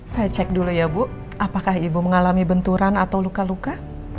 saya cek dulu ya bu apakah ibu mengalami benturan atau luka luka